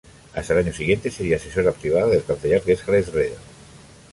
Hasta el año siguiente sería asesora privada del canciller Gerhard Schröder.